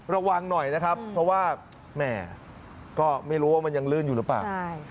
ระวังหน่อยนะครับเพราะว่าแม่ก็ไม่รู้ว่ามันยังลื่นอยู่หรือเปล่า